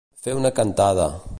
Fer una cantada.